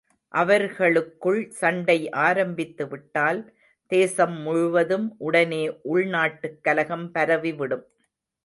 அவர்களுக்குள் சண்டை ஆரம்பித்து விட்டால், தேசம் முழுவதும் உடனே உள்நாட்டுக் கலகம் பரவிவிடும்.